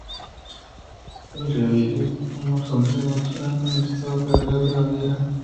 El río Iller forma la frontera natural con el Estado Federal de Baviera.